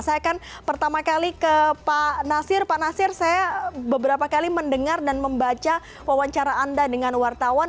saya akan pertama kali ke pak nasir pak nasir saya beberapa kali mendengar dan membaca wawancara anda dengan wartawan